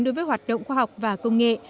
đối với hoạt động khoa học và công nghệ